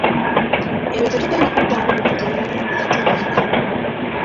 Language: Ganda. Ebyo tetugenda kuddamu kubitunuulira mu kitundu kino.